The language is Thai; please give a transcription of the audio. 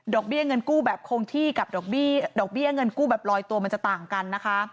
เบี้ยเงินกู้แบบคงที่กับดอกเบี้ยเงินกู้แบบลอยตัวมันจะต่างกันนะคะ